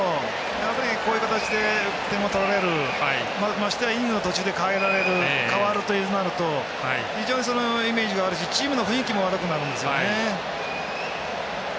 やっぱりこういう形で点を取られるましてやイニングの途中で代えられる、代わるとなると非常にイメージが悪いしチームの雰囲気も悪くなるんですよね。